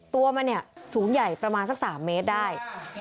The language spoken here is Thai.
ตัวมันเนี่ยสูงใหญ่ประมาณสัก๓เมตรได้